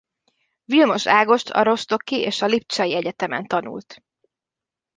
Vilmos Ágost a rostocki és a lipcsei egyetemen tanult.